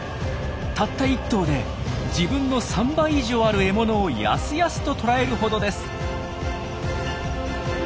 たった１頭で自分の３倍以上ある獲物をやすやすと捕らえるほどです。